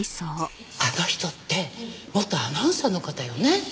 あの人って元アナウンサーの方よね？